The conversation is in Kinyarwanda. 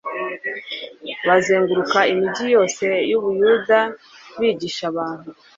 bazenguruka imigi yose y u buyuda bigisha abantu